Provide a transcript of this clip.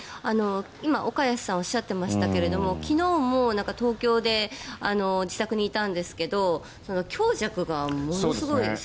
今、岡安さんがおっしゃっていましたが昨日も東京で自宅にいたんですけど強弱がものすごい。